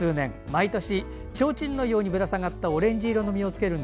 毎年、ちょうちんのようにぶら下がったオレンジ色の実をつけます。